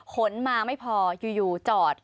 ขนมาไม่พออยู่จอด